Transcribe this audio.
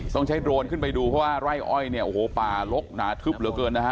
ต้องใช้โดรนขึ้นไปดูเพราะว่าไร่อ้อยเนี่ยโอ้โหป่าลกหนาทึบเหลือเกินนะฮะ